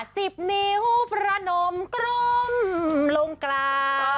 สิบนิหูประนมกรมลงกลา